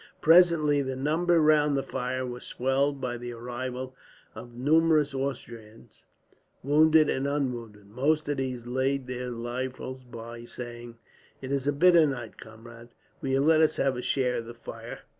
Presently the number round the fires was swelled by the arrival of numerous Austrians, wounded and unwounded. Most of these laid their rifles by, saying: "It is a bitter night, comrades. Will you let us have a share of the fire?"